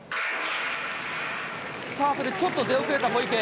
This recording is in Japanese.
スタートでちょっと出遅れた小池。